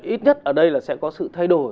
ít nhất ở đây là sẽ có sự thay đổi